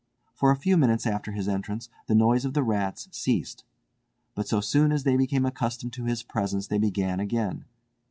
For a few minutes after his entrance the noise of the rats ceased; but so soon as they became accustomed to his presence they began again.